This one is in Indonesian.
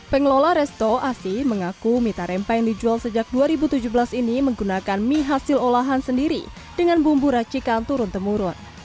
pengelola resto asi mengaku mie tarempa yang dijual sejak dua ribu tujuh belas ini menggunakan mie hasil olahan sendiri dengan bumbu racikan turun temurun